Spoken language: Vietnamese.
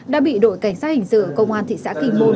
đã bị đội cảnh sát hình sự công an thị xã kinh môn